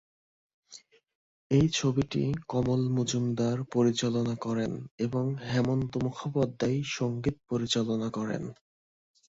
এই ছবিটি কমল মজুমদার পরিচালনা করেন এবং হেমন্ত মুখোপাধ্যায় সংগীত পরিচালনা করেন।